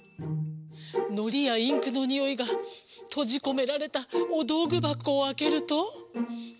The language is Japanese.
のりやインクのにおいがとじこめられたおどうぐばこをあけると。